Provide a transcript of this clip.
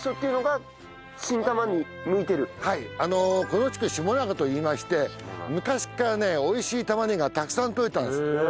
この地区下中といいまして昔からね美味しい玉ねぎがたくさんとれたんです。